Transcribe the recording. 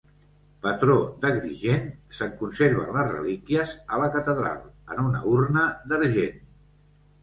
Patró d'Agrigent, se'n conserven les relíquies a la catedral, en una urna d'argent.